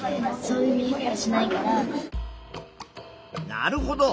なるほど。